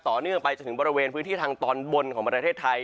ต่อเนื่องไปจนถึงบริเวณพื้นที่ทางตอนบนของประเทศไทย